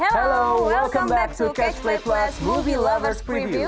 halo selamat datang kembali di catch play plus movie lovers preview